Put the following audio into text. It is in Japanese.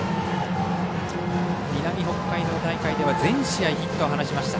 南北海道大会では全試合ヒットを放ちました。